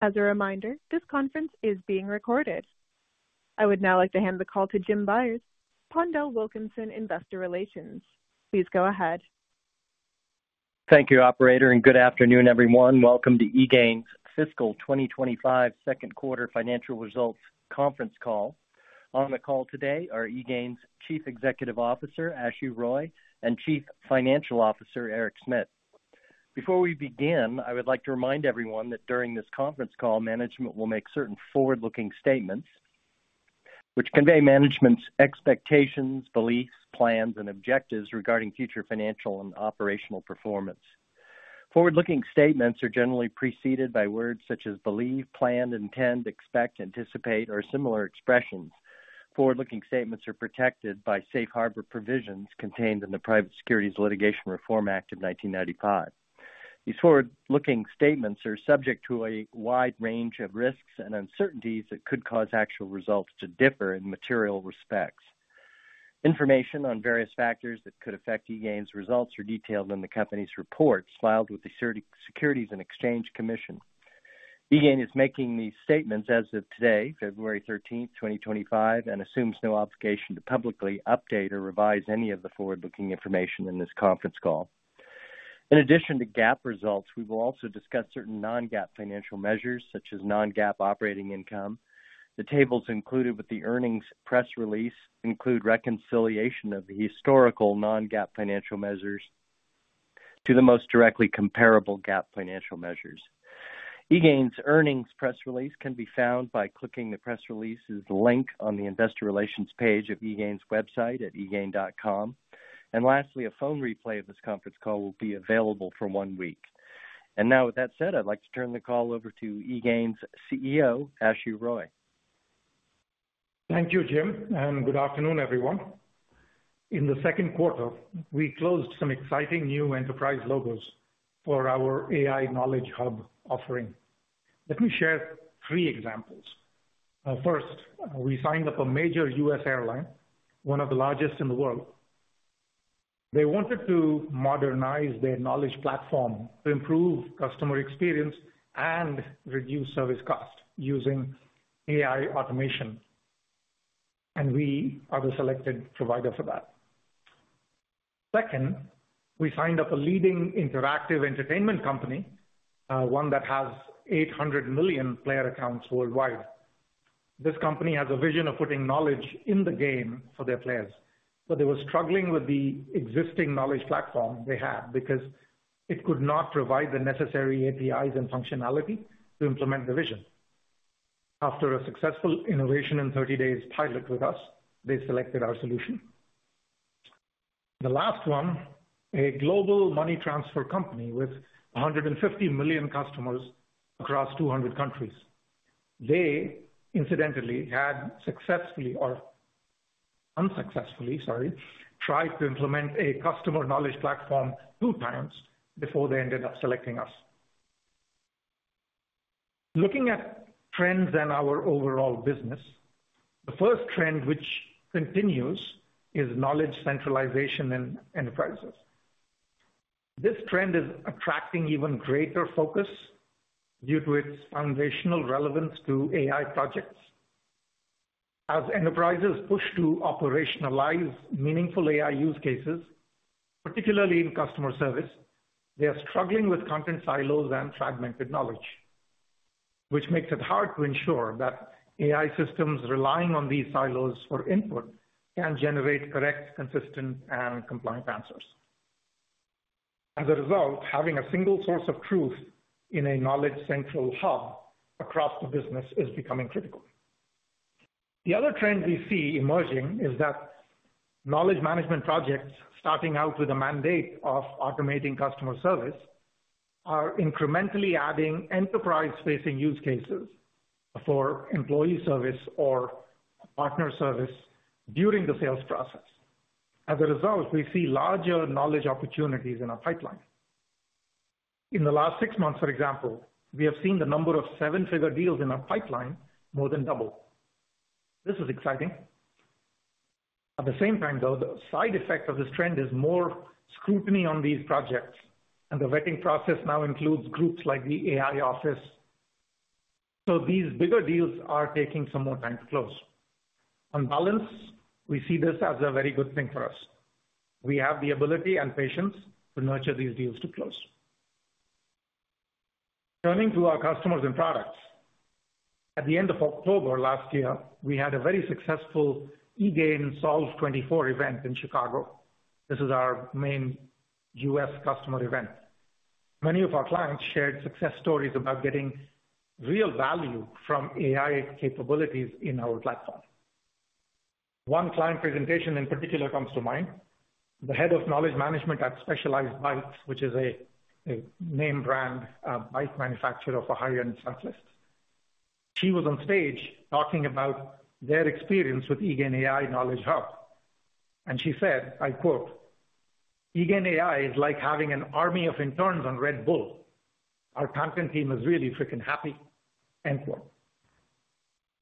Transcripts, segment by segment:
As a reminder, this conference is being recorded. I would now like to hand the call to Jim Byers, PondelWilkinson Investor Relations. Please go ahead. Thank you, Operator, and good afternoon, everyone. Welcome to eGain's Fiscal 2025 Second Quarter Financial Results Conference Call. On the call today are eGain's Chief Executive Officer, Ashu Roy, and Chief Financial Officer, Eric Smit. Before we begin, I would like to remind everyone that during this conference call, management will make certain forward-looking statements which convey management's expectations, beliefs, plans, and objectives regarding future financial and operational performance. Forward-looking statements are generally preceded by words such as believe, plan, intend, expect, anticipate, or similar expressions. Forward-looking statements are protected by safe harbor provisions contained in the Private Securities Litigation Reform Act of 1995. These forward-looking statements are subject to a wide range of risks and uncertainties that could cause actual results to differ in material respects. Information on various factors that could affect eGain's results are detailed in the company's reports filed with the Securities and Exchange Commission. eGain is making these statements as of today, February 13, 2025, and assumes no obligation to publicly update or revise any of the forward-looking information in this conference call. In addition to GAAP results, we will also discuss certain non-GAAP financial measures such as non-GAAP operating income. The tables included with the earnings press release include reconciliation of the historical non-GAAP financial measures to the most directly comparable GAAP financial measures. eGain's earnings press release can be found by clicking the press release's link on the Investor Relations page of eGain's website at egain.com. Lastly, a phone replay of this conference call will be available for one week. With that said, I'd like to turn the call over to eGain's CEO, Ashu Roy. Thank you, Jim. And good afternoon, everyone. In the second quarter, we closed some exciting new enterprise logos for our AI Knowledge Hub offering. Let me share three examples. First, we signed up a major U.S. airline, one of the largest in the world. They wanted to modernize their knowledge platform to improve customer experience and reduce service costs using AI automation. We are the selected provider for that. Second, we signed up a leading interactive entertainment company, one that has 800 million player accounts worldwide. This company has a vision of putting knowledge in the game for their players. They were struggling with the existing knowledge platform they had because it could not provide the necessary APIs and functionality to implement the vision. After a successful innovation and 30-day pilot with us, they selected our solution. The last one, a global money transfer company with 150 million customers across 200 countries. They, incidentally, had successfully or unsuccessfully, sorry, tried to implement a customer knowledge platform two times before they ended up selecting us. Looking at trends in our overall business, the first trend which continues is knowledge centralization in enterprises. This trend is attracting even greater focus due to its foundational relevance to AI projects. As enterprises push to operationalize meaningful AI use cases, particularly in customer service, they are struggling with content silos and fragmented knowledge, which makes it hard to ensure that AI systems relying on these silos for input can generate correct, consistent, and compliant answers. As a result, having a single source of truth in a knowledge central hub across the business is becoming critical. The other trend we see emerging is that knowledge management projects, starting out with a mandate of automating customer service, are incrementally adding enterprise-facing use cases for employee service or partner service during the sales process. As a result, we see larger knowledge opportunities in our pipeline. In the last six months, for example, we have seen the number of seven-figure deals in our pipeline more than double. This is exciting. At the same time, though, the side effect of this trend is more scrutiny on these projects, and the vetting process now includes groups like the AI office. These bigger deals are taking some more time to close. On balance, we see this as a very good thing for us. We have the ability and patience to nurture these deals to close. Turning to our customers and products, at the end of October last year, we had a very successful eGain Solve 24 event in Chicago. This is our main U.S. customer event. Many of our clients shared success stories about getting real value from AI capabilities in our platform. One client presentation in particular comes to mind, the head of knowledge management at Specialized Bikes, which is a name brand bike manufacturer for high-end cyclists. She was on stage talking about their experience with eGain AI Knowledge Hub. She said, I quote, "eGain AI is like having an army of interns on Red Bull. Our content team is really freaking happy."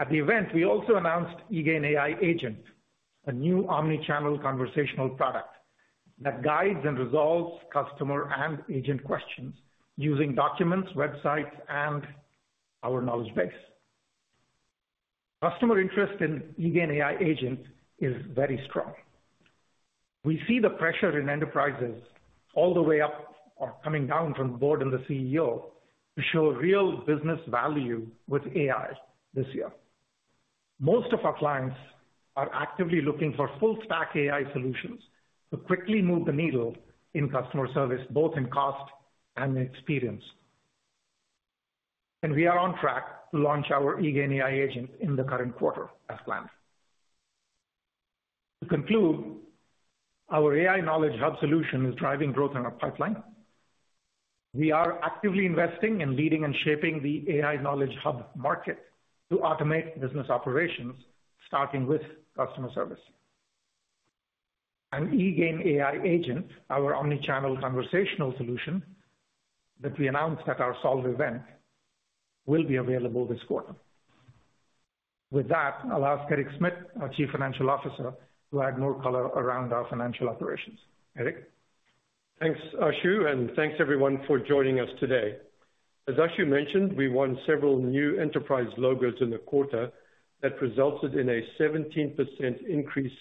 At the event, we also announced eGain AI Agent, a new omnichannel conversational product that guides and resolves customer and agent questions using documents, websites, and our knowledge base. Customer interest in eGain AI Agent is very strong. We see the pressure in enterprises all the way up or coming down from the Board and the CEO to show real business value with AI this year. Most of our clients are actively looking for full-stack AI solutions to quickly move the needle in customer service, both in cost and experience. We are on track to launch our eGain AI Agent in the current quarter as planned. To conclude, our AI Knowledge Hub solution is driving growth in our pipeline. We are actively investing and leading and shaping the AI Knowledge Hub market to automate business operations, starting with customer service. eGain AI Agent, our omnichannel conversational solution, that we announced at our Solve event, will be available this quarter. With that, I'll ask Eric Smit, our Chief Financial Officer, to add more color around our financial operations. Eric. Thanks, Ashu, and thanks, everyone, for joining us today. As Ashu mentioned, we won several new enterprise logos in the quarter that resulted in a 17% increase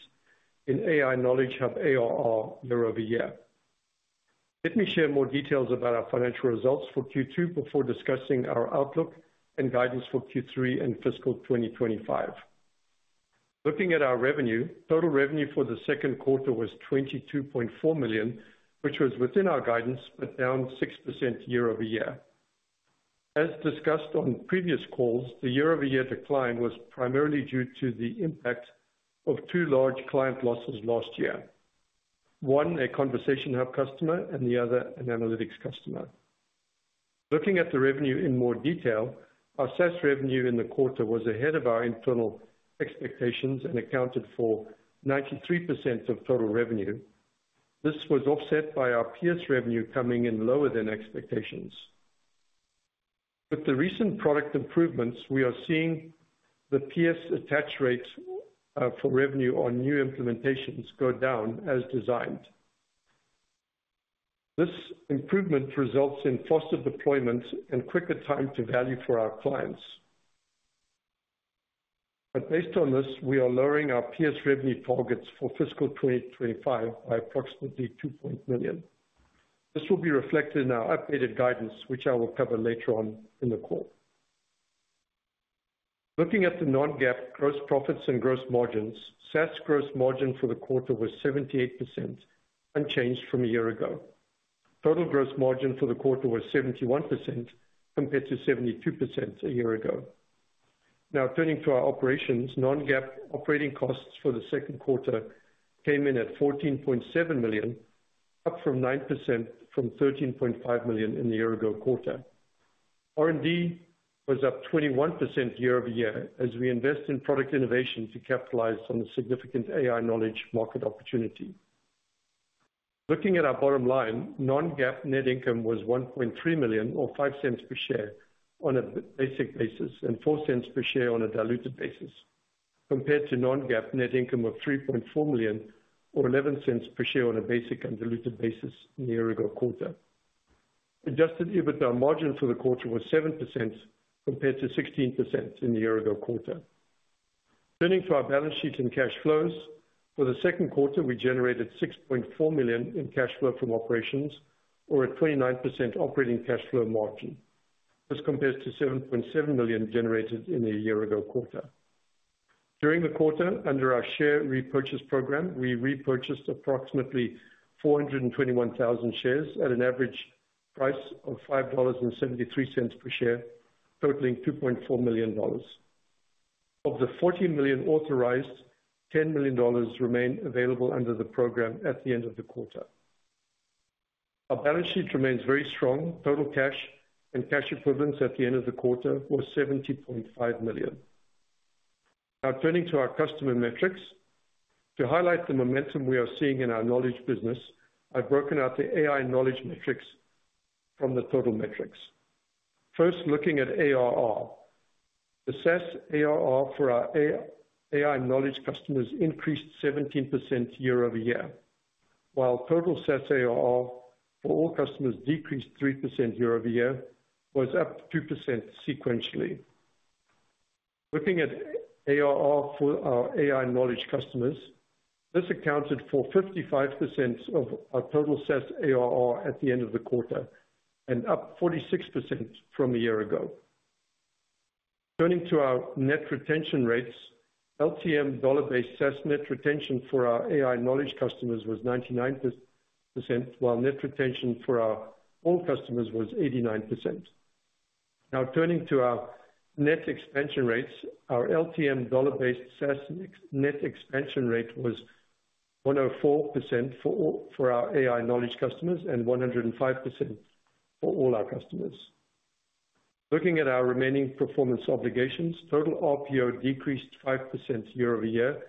in AI Knowledge Hub ARR year-over-year. Let me share more details about our financial results for Q2 before discussing our outlook and guidance for Q3 and fiscal 2025. Looking at our revenue, total revenue for the second quarter was $22.4 million, which was within our guidance but down 6% year-over-year. As discussed on previous calls, the year-over-year decline was primarily due to the impact of two large client losses last year, one a Conversation Hub customer and the other an Analytics customer. Looking at the revenue in more detail, our SaaS revenue in the quarter was ahead of our internal expectations and accounted for 93% of total revenue. This was offset by our PS revenue coming in lower than expectations. With the recent product improvements, we are seeing the PS attach rates for revenue on new implementations go down as designed. This improvement results in faster deployment and quicker time to value for our clients. Based on this, we are lowering our PS revenue targets for fiscal 2025 by approximately $2.1 million. This will be reflected in our updated guidance, which I will cover later on in the call. Looking at the non-GAAP gross profits and gross margins, SaaS gross margin for the quarter was 78%, unchanged from a year ago. Total gross margin for the quarter was 71% compared to 72% a year ago. Now, turning to our operations, non-GAAP operating costs for the second quarter came in at $14.7 million, up 9% from $13.5 million in the year-ago quarter. R&D was up 21% year-over-year as we invest in product innovation to capitalize on the significant AI Knowledge market opportunity. Looking at our bottom line, non-GAAP net income was $1.3 million, or $0.05 per share on a basic basis, and $0.04 per share on a diluted basis, compared to non-GAAP net income of $3.4 million, or $0.11 per share on a basic and diluted basis in the year-ago quarter. Adjusted EBITDA margin for the quarter was 7% compared to 16% in the year-ago quarter. Turning to our balance sheet and cash flows, for the second quarter, we generated $6.4 million in cash flow from operations, or a 29% operating cash flow margin. This compares to $7.7 million generated in the year-ago quarter. During the quarter, under our share repurchase program, we repurchased approximately 421,000 shares at an average price of $5.73 per share, totaling $2.4 million. Of the $40 million authorized, $10 million remained available under the program at the end of the quarter. Our balance sheet remains very strong. Total cash and cash equivalents at the end of the quarter were $70.5 million. Now, turning to our customer metrics, to highlight the momentum we are seeing in our knowledge business, I've broken out the AI Knowledge metrics from the total metrics. First, looking at ARR, the SaaS ARR for our AI Knowledge customers increased 17% year-over-year, while total SaaS ARR for all customers decreased 3% year-over-year, was up 2% sequentially. Looking at ARR for our AI Knowledge customers, this accounted for 55% of our total SaaS ARR at the end of the quarter, and up 46% from a year ago. Turning to our net retention rates, LTM dollar-based SaaS net retention for our AI Knowledge customers was 99%, while net retention for our all customers was 89%. Now, turning to our net expansion rates, our LTM dollar-based SaaS net expansion rate was 104% for our AI Knowledge customers and 105% for all our customers. Looking at our remaining performance obligations, total RPO decreased 5% year-over-year,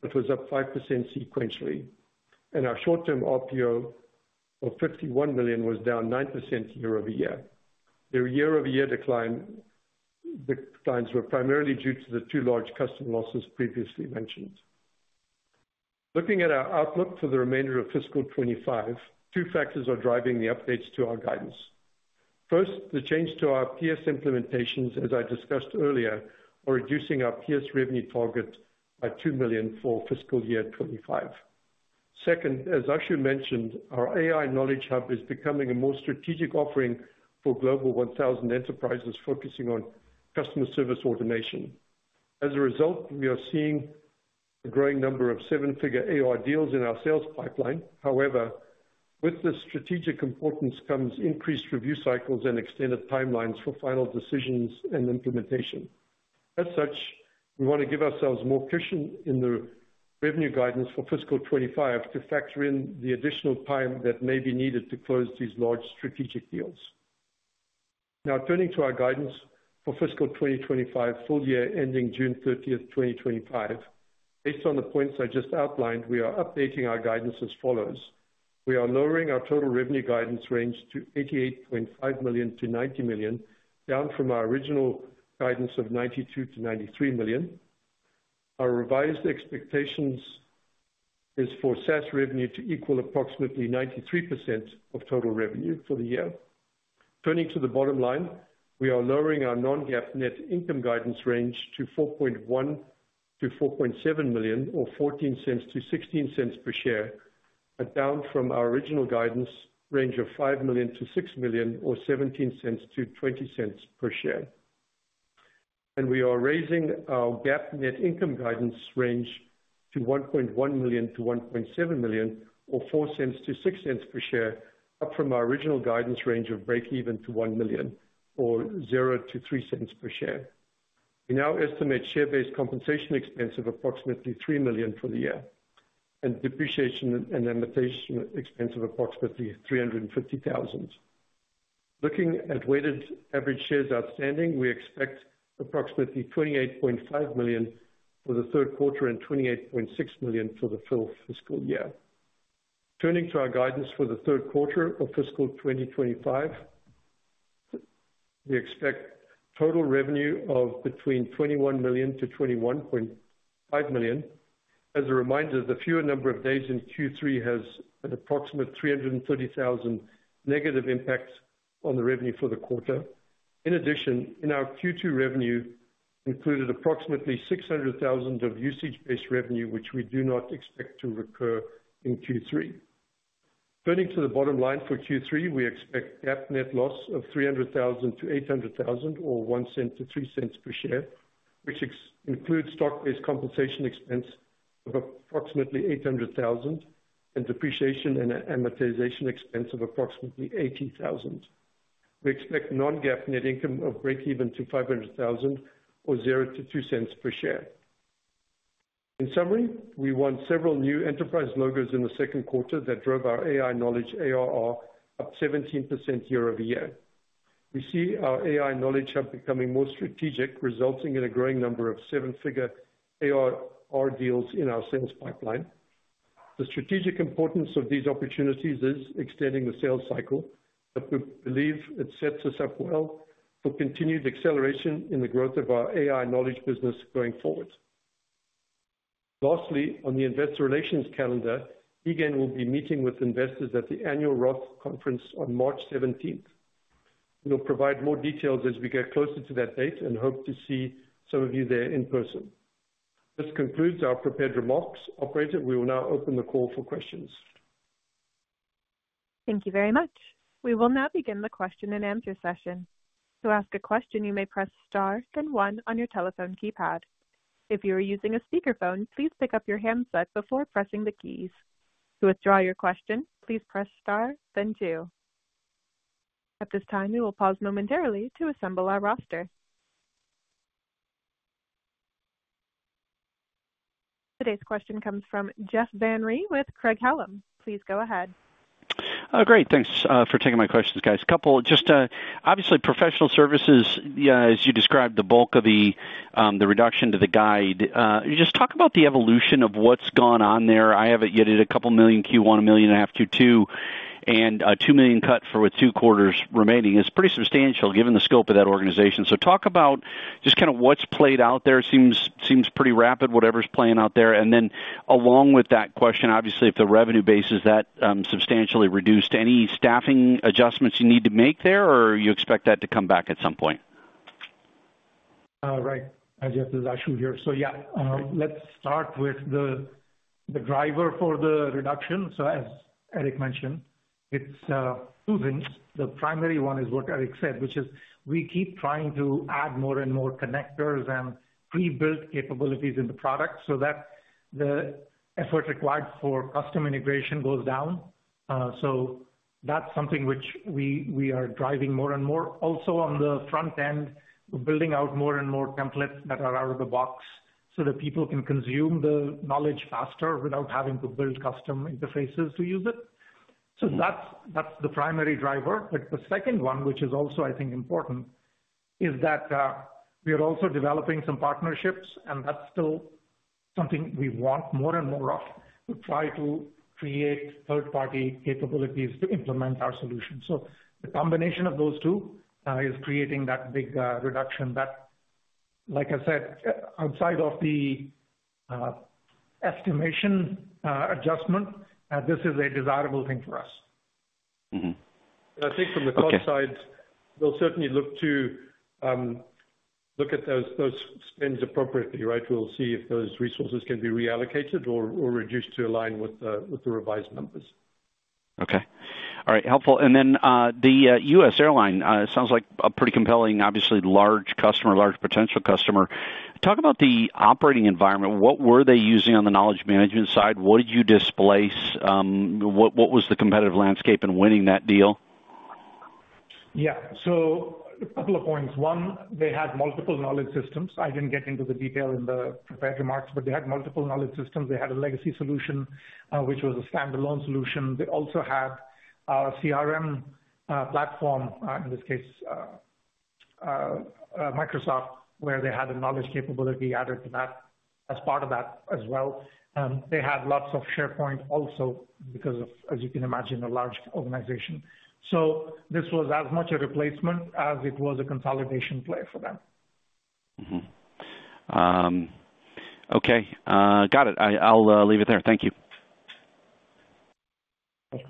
which was up 5% sequentially. Our short-term RPO of $51 million was down 9% year-over-year. The year-over-year declines were primarily due to the two large customer losses previously mentioned. Looking at our outlook for the remainder of fiscal 2025, two factors are driving the updates to our guidance. First, the change to our PS implementations, as I discussed earlier, are reducing our PS revenue target by $2 million for fiscal year 2025. Second, as Ashu mentioned, our AI Knowledge Hub is becoming a more strategic offering for Global 1000 enterprises focusing on customer service automation. As a result, we are seeing a growing number of seven-figure ARR deals in our sales pipeline. However, with this strategic importance comes increased review cycles and extended timelines for final decisions and implementation. As such, we want to give ourselves more cushion in the revenue guidance for fiscal 2025 to factor in the additional time that may be needed to close these large strategic deals. Now, turning to our guidance for fiscal 2025, full year ending June 30th, 2025, based on the points I just outlined, we are updating our guidance as follows. We are lowering our total revenue guidance range to $88.5 million-$90 million, down from our original guidance of $92 million-$93 million. Our revised expectation is for SaaS revenue to equal approximately 93% of total revenue for the year. Turning to the bottom line, we are lowering our non-GAAP net income guidance range to $4.1 million-$4.7 million, or $0.14-$0.16 per share, down from our original guidance range of $5 million-$6 million, or $0.17-$0.20 per share. We are raising our GAAP net income guidance range to $1.1 million-$1.7 million, or $0.04-$0.06 per share, up from our original guidance range of break-even to $1 million, or $0-$0.03 per share. We now estimate share-based compensation expense of approximately $3 million for the year, and depreciation and amortization expense of approximately $350,000. Looking at weighted average shares outstanding, we expect approximately 28.5 million for the third quarter and 28.6 million for the full fiscal year. Turning to our guidance for the third quarter of fiscal 2025, we expect total revenue of between $21 million-$21.5 million. As a reminder, the fewer number of days in Q3 has an approximate $330,000 negative impact on the revenue for the quarter. In addition, in our Q2 revenue included approximately $600,000 of usage-based revenue, which we do not expect to recur in Q3. Turning to the bottom line for Q3, we expect GAAP net loss of $300,000-$800,000, or $0.01-$0.03 per share, which includes stock-based compensation expense of approximately $800,000 and depreciation and amortization expense of approximately $18,000. We expect non-GAAP net income of break-even to $500,000, or 0-2 cents per share. In summary, we won several new enterprise logos in the second quarter that drove our AI Knowledge ARR up 17% year-over-year. We see our AI Knowledge Hub becoming more strategic, resulting in a growing number of seven-figure ARR deals in our sales pipeline. The strategic importance of these opportunities is extending the sales cycle, but we believe it sets us up well for continued acceleration in the growth of our AI Knowledge business going forward. Lastly, on the Investor Relations calendar, eGain will be meeting with investors at the annual Roth Conference on March 17th. We'll provide more details as we get closer to that date and hope to see some of you there in person. This concludes our prepared remarks. Operator, we will now open the call for questions. Thank you very much. We will now begin the question and answer session. To ask a question, you may press star then one on your telephone keypad. If you are using a speakerphone, please pick up your handset before pressing the keys. To withdraw your question, please press star then two. At this time, we will pause momentarily to assemble our roster. Today's question comes from Jeff Van Rhee with Craig-Hallum. Please go ahead. Great. Thanks for taking my questions, guys. Couple just obviously professional services, as you described the bulk of the reduction to the guide. Just talk about the evolution of what's gone on there. I have it yet at a couple million Q1, a million and a half Q2, and a $2 million cut for two quarters remaining. It's pretty substantial given the scope of that organization. Talk about just kind of what's played out there. It seems pretty rapid, whatever's playing out there. Along with that question, obviously, if the revenue base is that substantially reduced, any staffing adjustments you need to make there, or you expect that to come back at some point? Right. I just was Ashu here. Yeah, let's start with the driver for the reduction. As Eric mentioned, it's two things. The primary one is what Eric said, which is we keep trying to add more and more connectors and pre-built capabilities in the product so that the effort required for custom integration goes down. That's something which we are driving more and more. Also, on the front end, we're building out more and more templates that are out of the box so that people can consume the knowledge faster without having to build custom interfaces to use it. That's the primary driver. The second one, which is also, I think, important, is that we are also developing some partnerships, and that's still something we want more and more of to try to create third-party capabilities to implement our solution. The combination of those two is creating that big reduction that, like I said, outside of the estimation adjustment, this is a desirable thing for us. I think from the cost side, we'll certainly look to look at those spends appropriately, right? We'll see if those resources can be reallocated or reduced to align with the revised numbers. Okay. All right. Helpful. The U.S. Airline, it sounds like a pretty compelling, obviously, large customer, large potential customer. Talk about the operating environment. What were they using on the knowledge management side? What did you displace? What was the competitive landscape in winning that deal? Yeah. A couple of points. One, they had multiple knowledge systems. I did not get into the detail in the prepared remarks, but they had multiple knowledge systems. They had a legacy solution, which was a standalone solution. They also had a CRM platform, in this case, Microsoft, where they had a knowledge capability added to that as part of that as well. They had lots of SharePoint also because of, as you can imagine, a large organization. This was as much a replacement as it was a consolidation play for them. Okay. Got it. I'll leave it there. Thank you. Thank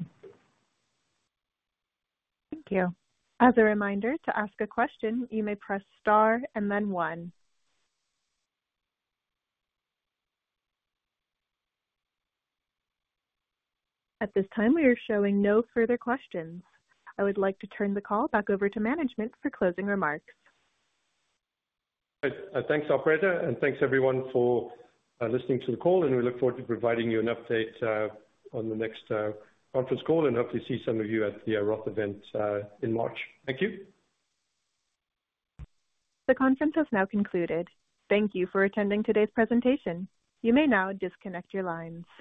you. As a reminder, to ask a question, you may press star and then one. At this time, we are showing no further questions. I would like to turn the call back over to management for closing remarks. Thanks, Operator. Thanks, everyone, for listening to the call. We look forward to providing you an update on the next conference call and hopefully see some of you at the Roth event in March. Thank you. The conference has now concluded. Thank you for attending today's presentation. You may now disconnect your lines.